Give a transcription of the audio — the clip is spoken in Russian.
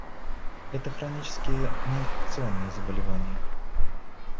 Это хронические неинфекционные заболевания.